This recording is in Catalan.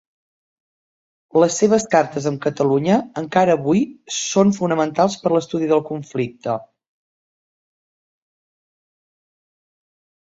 Les seves cartes amb Catalunya encara avui són fonamentals per l'estudi del conflicte.